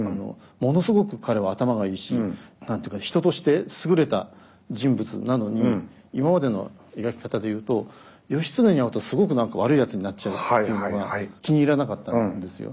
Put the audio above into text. ものすごく彼は頭がいいし人として優れた人物なのに今までの描き方で言うと義経に会うとすごく何か悪いやつになっちゃうっていうのが気に入らなかったんですよ。